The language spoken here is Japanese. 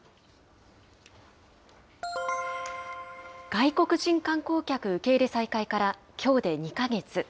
外国人観光客受け入れ再開からきょうで２か月。